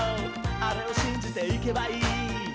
あれをしんじていけばいい」